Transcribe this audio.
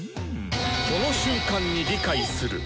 その瞬間に理解する。